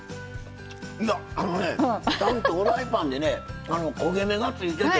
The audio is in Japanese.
いやあのねちゃんとフライパンでね焦げ目がついてて。